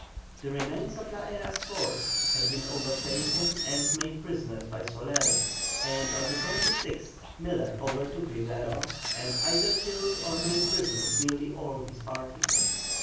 The remains of La Hera's force had been overtaken and made prisoners by Soler, and on the 26th Miller overtook Rivero, and either killed or made prisoners nearly all his party.